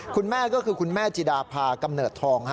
คุณแม่ก็คือคุณแม่จิดาพากำเนิดทอง